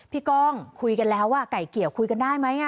ก้องคุยกันแล้วไก่เกี่ยวคุยกันได้ไหม